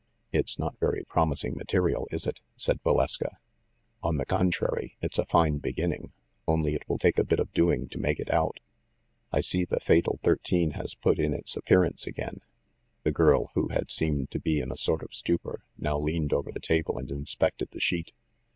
"It's not very promising material, is it?" said Va leska. "On the contrary, it's a fine beginning; only it will take a bit of doing to make it out." "I see the fatal 13 has put in its appearance again." The girl, who had seemed to be in a sort of stupor, now leaned over the table and inspected the sheet.